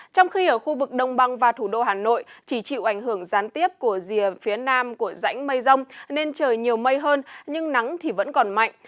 trong khi ở khu vực đông băng và thủ đô hà nội chỉ chịu ảnh hưởng gián tiếp của rìa phía nam của rãnh mây rông nên trời nhiều mây hơn nhưng nắng thì vẫn còn mạnh